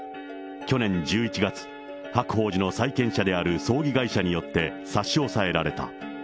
去年１１月、白鳳寺の債権者である葬儀会社によって差し押さえられた。